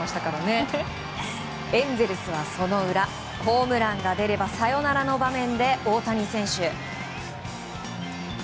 エンゼルスはその裏ホームランが出ればサヨナラの場面で大谷選手。